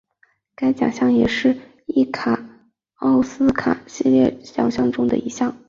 该奖项也是意甲奥斯卡系列奖项中的一项。